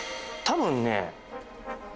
多分ね